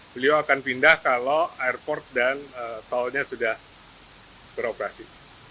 beliau akan pindah kalau airport dan tolnya sudah beroperasi